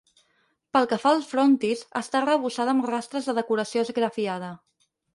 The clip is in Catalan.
Pel que fa al frontis, està arrebossada amb rastres de decoració esgrafiada.